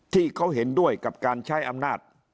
ที่เขาเห็นด้วยกับการใช้อำนาจ